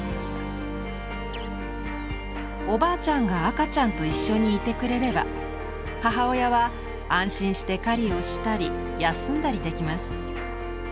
おばあちゃんが赤ちゃんと一緒にいてくれれば母親は安心して狩りをしたり休んだりできます。